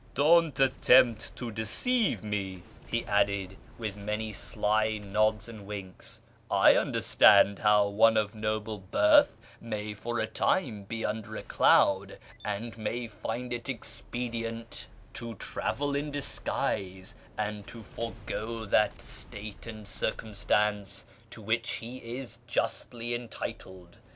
" Don't attempt to deceive me," he added, with many sly nods and winks :" I understand how one of noble birth may for a time be under a cloud, and may find it expedient to travel in KIRMAn society 439 disguise and to forego that state and circumstance to which he is justly entitled.